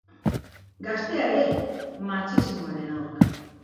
Gaztea ere, matxismoaren aurka!